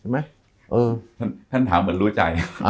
อเจมส์อศัลดิ์ฉันต้องถามอย่างเหมือนรู้ใจ